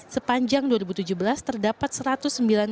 sepanjang dua ribu tujuh belas terdapat satu ratus sembilan puluh